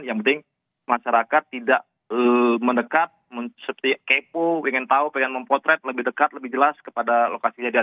yang penting masyarakat tidak mendekat seperti kepo ingin tahu pengen mempotret lebih dekat lebih jelas kepada lokasi kejadian